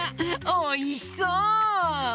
おいしそう！